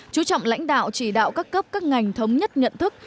chú trọng lãnh đạo chỉ đạo các cấp các ngành thống nhất nhận thức